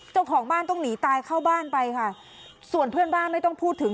เจ้าของบ้านต้องหนีตายเข้าบ้านไปค่ะส่วนเพื่อนบ้านไม่ต้องพูดถึง